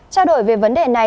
trao đổi về vấn đề này